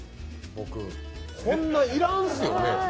こんな要らんですよね。